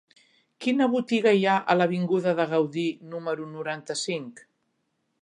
Quina botiga hi ha a l'avinguda de Gaudí número noranta-cinc?